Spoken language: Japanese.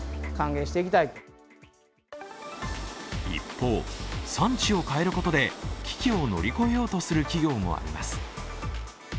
一方、産地を変えることで危機を乗り越えようとする企業もあります。